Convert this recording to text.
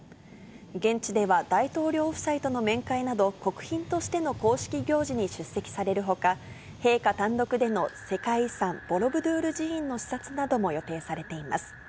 現地では大統領夫妻との面会など、国賓としての公式行事に出席されるほか、陛下単独での世界遺産、ボロブドゥール寺院の視察なども予定されています。